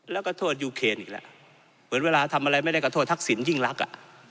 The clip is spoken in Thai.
แล้วก็โทษยูเคนอีกแล้วเหมือนเวลาทำอะไรไม่ได้ก็โทษทักษิณยิ่งรักอ่ะ